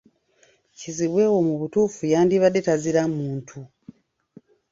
Kizibwe wo mu butuufu yandibadde tazira muntu.